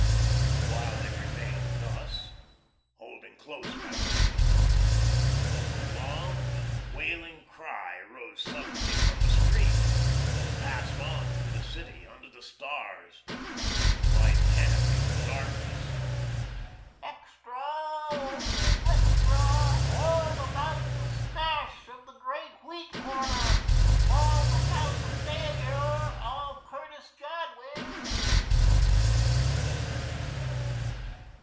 And while they remained thus, holding close by one another, a prolonged and wailing cry rose suddenly from the street, and passed on through the city under the stars and the wide canopy of the darkness. "Extra, oh h h, extra! All about the Smash of the Great Wheat Corner! All about the Failure of Curtis Jadwin!"